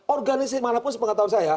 organisasi manapun sepengat tahun saya